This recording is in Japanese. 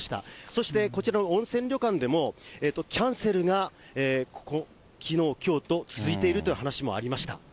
そしてこちらの温泉旅館でも、キャンセルがきのう、きょうと続いているという話もありました。